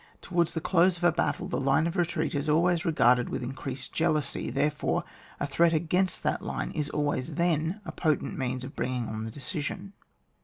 Towards the close of a battle the line of retreat is always regarded with increased jealousy, therefore a threat against that line is always then a potent means of bringing on the decision.